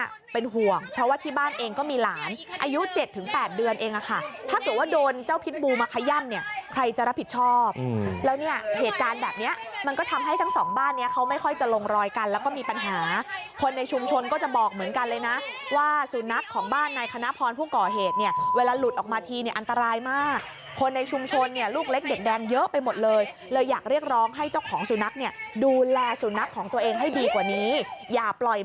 ย่ำเนี่ยใครจะรับผิดชอบแล้วเนี่ยเหตุการณ์แบบนี้มันก็ทำให้ทั้งสองบ้านเนี่ยเขาไม่ค่อยจะลงรอยกันแล้วก็มีปัญหาคนในชุมชนก็จะบอกเหมือนกันเลยนะว่าสูนักของบ้านนายคณพรพูดก่อเหตุเนี่ยเวลาหลุดออกมาทีเนี่ยอันตรายมากคนในชุมชนเนี่ยลูกเล็กเด็กแดงเยอะไปหมดเลยเลยอยากเรียกร้องให้เจ้าของสูนักเนี่ย